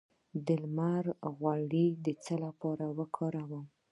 د لمر ګل غوړي د څه لپاره وکاروم؟